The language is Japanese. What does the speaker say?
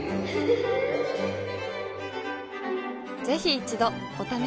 ぜひ一度お試しを。